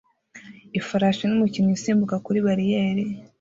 Ifarashi n'umukinnyi usimbuka kuri bariyeri